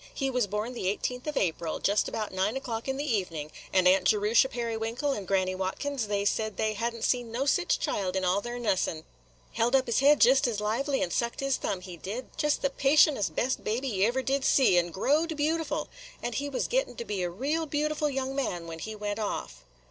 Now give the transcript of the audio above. He was born the eighteenth of April, just about nine o'clock in the evening, and Aunt Jerusha Periwinkle and Granny Watkins, they said they had n't seen no sich child in all their nussing. Held up his head jest as lively, and sucked his thumb, he did, – jest the patientest, best baby ye ever did see, and growed beautiful. And he was gettin' to be a real beautiful young man when he went off."